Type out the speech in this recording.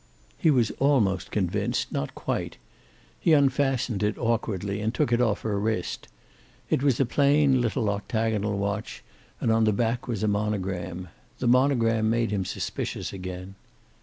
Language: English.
He was almost convinced, not quite. He unfastened it awkwardly and took it off her wrist. It was a plain little octagonal watch, and on the back was a monogram. The monogram made him suspicious again.